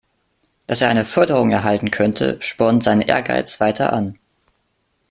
Dass er eine Förderung erhalten könnte, spornt seinen Ehrgeiz weiter an.